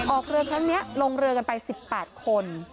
ออกเรือครั้งนี้ลงเรือกันไป๑๘คน